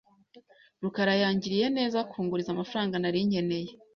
rukarayangiriye neza kunguriza amafaranga nari nkeneye.